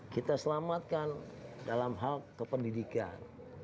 kita selamatkan dalam hal kependidikan